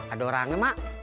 ada orangnya mak